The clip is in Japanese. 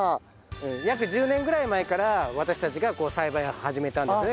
約１０年ぐらい前から私たちが栽培を始めたんですよね